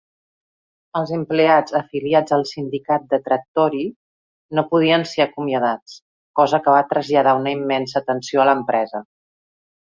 Els empleats afiliats al sindicat de Trattori no podien ser acomiadats, cosa que va traslladar una immensa tensió a l'empresa.